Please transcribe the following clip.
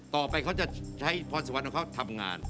เขาจะใช้พรสวรรค์ของเขาทำงาน